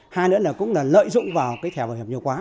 hai nữa là cũng là lợi dụng vào cái thẻ bảo hiểm nhiều quá